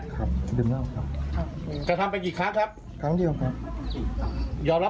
ครับดื่มเหล้าครับครับกระทำไปกี่ครั้งครับครั้งเดียวครับยอมรับ